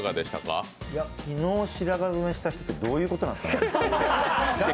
昨日、白髪染めした人ってどういうことなんですかね。